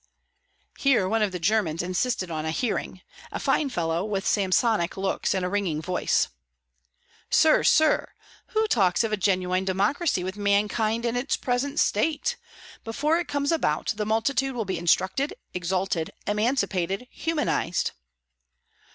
Here one of the Germans insisted on a hearing; a fine fellow, with Samsonic locks and a ringing voice. "Sir! sir! who talks of a genuine democracy with mankind in its present state? Before it comes about, the multitude will be instructed, exalted, emancipated, humanized!"